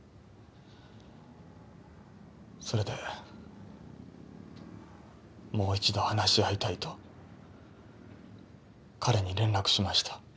それでもう一度話し合いたいと彼に連絡しました。